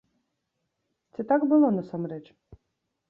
Ці так было насамрэч?